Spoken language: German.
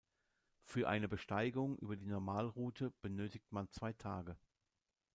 Für eine Besteigung über die Normalroute benötigt man zwei Tage.